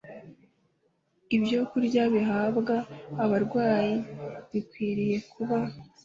Ibyokurya bihabwa abarwayi bikwiriye kuba